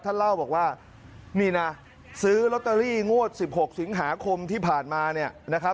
ท่านเล่าบอกว่านี่นะซื้อล็อตเตอรี่งวด๑๖สิงหาคมที่ผ่านมา